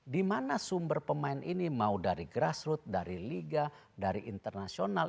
dimana sumber pemain ini mau dari grassroot dari liga dari internasional